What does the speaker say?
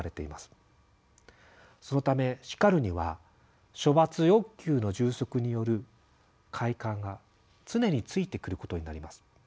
そのため「叱る」には処罰欲求の充足による快感が常についてくることになります。